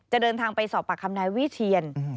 เดินทางไปสอบปากคำนายวิเชียน